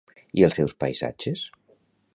I els seus paisatges?